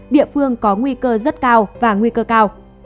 địa phương có nguy cơ rất cao và nguy cơ cao